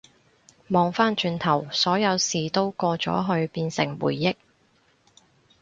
望返轉頭，所有事都過咗去變成回憶